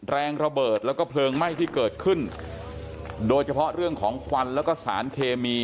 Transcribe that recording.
แรงระเบิดแล้วก็เพลิงไหม้ที่เกิดขึ้นโดยเฉพาะเรื่องของควันแล้วก็สารเคมี